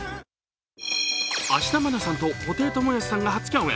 芦田愛菜さんと布袋寅泰さんが初共演。